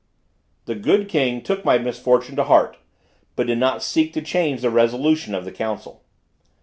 The good king took my misfortune to heart, but did not seek to change the resolution of the Council.